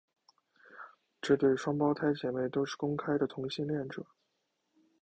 这对双胞胎姐妹都是公开的同性恋者。